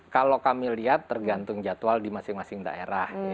kalau kami lihat tergantung jadwal di masing masing daerah